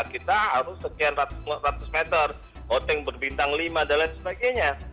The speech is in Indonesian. kita harus sekian ratus meter hotel berbintang lima dan lain sebagainya